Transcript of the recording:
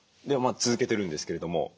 まあ続けてるんですけれども。